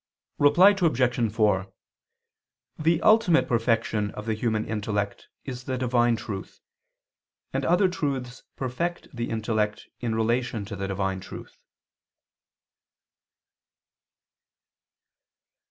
Reply Obj. 4: The ultimate perfection of the human intellect is the divine truth: and other truths perfect the intellect in relation to the divine truth.